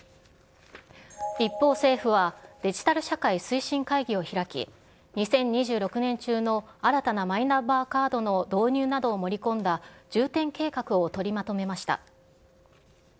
一方、政府は、デジタル社会推進会議を開き、２０２６年中の新たなマイナンバーカードの導入などを盛り込んだ重点計画を取りまとめました。